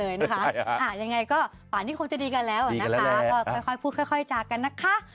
อย่างไงก็ป่านที่คงจะดีกันแล้วค่อยแล้วก็พูดค่อยจากกันนะคะ